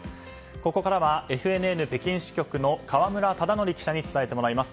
ここからはＦＮＮ北京支局の河村忠徳記者に伝えてもらいます。